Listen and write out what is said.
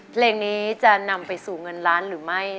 เพลงนี้จะนำไปสู่เงินล้านหรือไม่